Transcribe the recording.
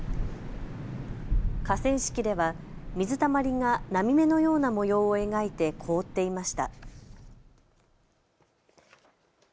河川敷では水たまりが波目のような模様を描いて凍っていました。